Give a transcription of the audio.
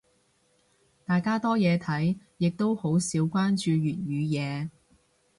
大家多嘢睇，亦都好少關注粵語嘢。